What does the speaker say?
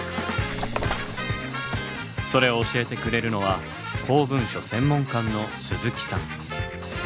それを教えてくれるのは公文書専門官の鈴木さん。